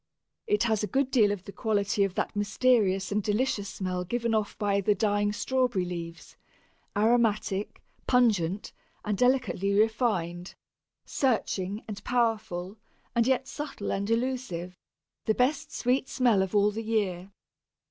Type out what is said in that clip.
It has a good deal of the quality of that mysterious and delicious smell given off by the dying strawberry leaves, aromatic, pungent, and delicately refined, searching and powerful, and yet subtle and elusive the best sweet smell of all the year.